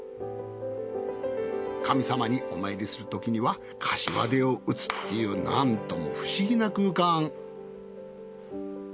神様にお参りするときにはかしわ手を打つというなんとも不思議な空間。